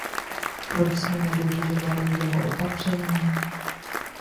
Proč jsme nedodržovali jeho opatření?